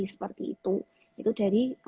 seperti itu itu dari